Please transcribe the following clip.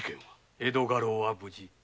江戸家老は無事。